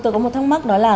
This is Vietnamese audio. tôi có một thắc mắc đó là